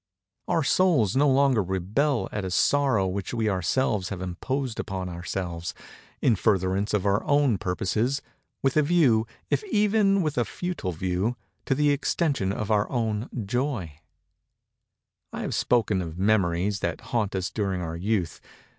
Our souls no longer rebel at a Sorrow which we ourselves have imposed upon ourselves, in furtherance of our own purposes—with a view—if even with a futile view—to the extension of our own Joy. I have spoken of Memories that haunt us during our youth.